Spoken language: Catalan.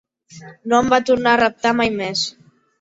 No em va tornar a reptar mai més.